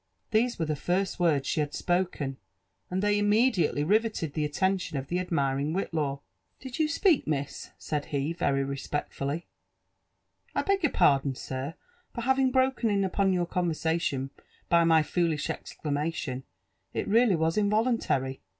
These were the first words she had spoken, and they immediately riveted the attention of the admiring Whitlaw. •• Did you speak, miss?" said he very respectfully. •• I beg your pardon, sir, for having broken in upon your conversation by my foolish exclamation, — it really was involuntary.